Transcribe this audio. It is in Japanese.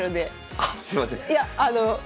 あっすいません。